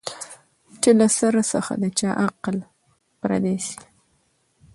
چي له سر څخه د چا عقل پردی سي